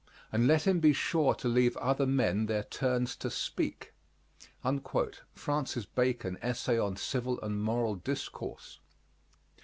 And let him be sure to leave other men their turns to speak. FRANCIS BACON, Essay on Civil and Moral Discourse.